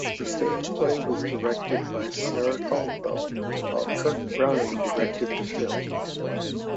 The stage play was directed by Sarah Caldwell while Kirk Browning directed the film.